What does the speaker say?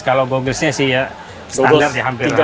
kalau gogglesnya sih ya standar ya hampir sama semua